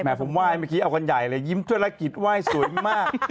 แหมผมว่ายเมื่อกี้เอากันใหญ่เลยยิ้มธุรกิจว่ายสวยมาก